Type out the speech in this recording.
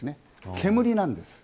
煙なんです。